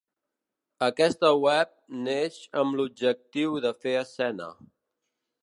Aquesta web neix amb l’objectiu de fer escena.